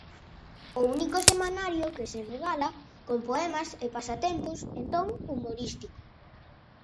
El único semanario que se regala, con poemas e pasatempos en ton humorístico.